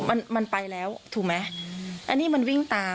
วอนตำรวจให้ความผิดทำกับลูกชาย